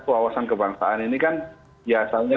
kewawasan kebangsaan ini kan biasanya